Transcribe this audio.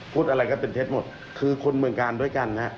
พูดอะไรก็เป็นเท็จหมดคือคนเมืองกาลด้วยกันฮะ